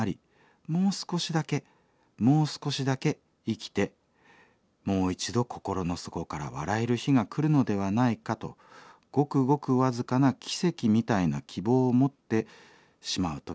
もう少しだけもう少しだけ生きてもう一度心の底から笑える日が来るのではないかとごくごく僅かな奇跡みたいな希望を持ってしまう時もあります。